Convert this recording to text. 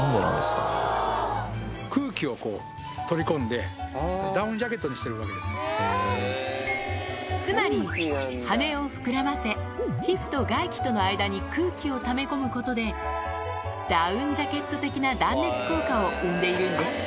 空気をこう、取り込んで、つまり、羽を膨らませ、皮膚と外気との間に空気をため込むことで、ダウンジャケット的な断熱効果を生んでいるんです。